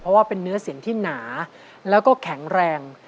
เพราะว่าเป็นเนื้อเสียงที่หนาแล้วก็แข็งแรง